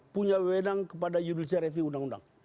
punya wedang kepada yudhul jerevi undang undang